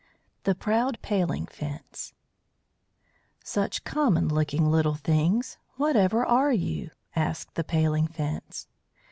THE PROUD PALING FENCE "Such common looking little things! Whatever are you?" asked the Paling Fence.